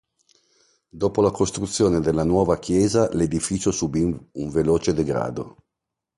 Dopo la costruzione della nuova chiesa l'edificio subì un veloce degrado.